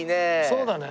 そうだね。